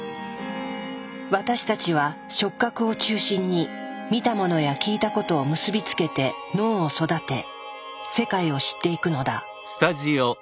私たちは触覚を中心に見たものや聞いたことを結び付けて脳を育て世界を知っていくのだ。